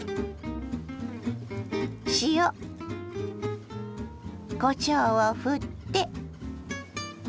塩こしょうをふって。